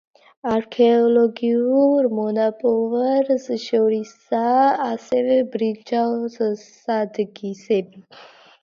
არქეოლოგიურ მონაპოვარს შორისაა ასევე ბრინჯაოს სადგისები.